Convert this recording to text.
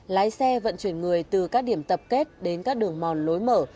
lái xe vận chuyển người từ các điểm tập kết đến các đường mòn lối mở